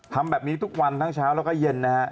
ทำแบบนี้ทุกวันทั้งเช้าแล้วก็เย็นนะฮะ